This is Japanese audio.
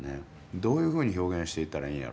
どういうふうに表現していったらええんやろ。